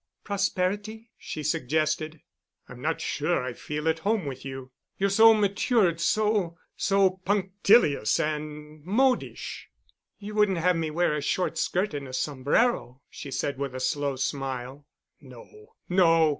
"Prosperity?" she suggested. "I'm not sure I feel at home with you. You're so matured, so—so punctilious and modish." "You wouldn't have me wear a short skirt and a sombrero?" she said with a slow smile. "No, no.